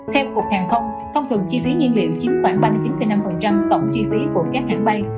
theo cục hàng không thông thường chi phí nhiên liệu chiếm khoảng ba mươi chín năm tổng chi phí của các hãng bay